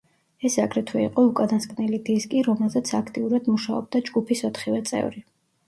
ეს აგრეთვე იყო უკანასკნელი დისკი, რომელზეც აქტიურად მუშაობდა ჯგუფის ოთხივე წევრი.